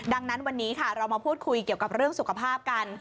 ดังนั้นวันนี้ค่ะเรามาพูดคุยเกี่ยวกับเรื่องสุขภาพกัน